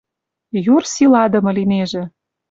Юр силадымы линежӹ